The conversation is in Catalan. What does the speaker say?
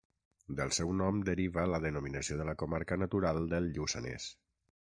Del seu nom deriva la denominació de la comarca natural del Lluçanès.